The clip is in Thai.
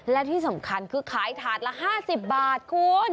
และที่สำคัญคือขายถาดละ๕๐บาทคุณ